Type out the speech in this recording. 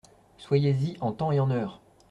Soyez-y en temps et en heure !